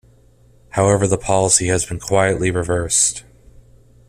However the policy has been quietly reversed.